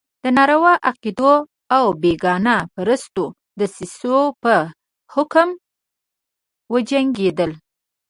د ناروا عقدو او بېګانه پرستو دسیسو په حکم وجنګېدل.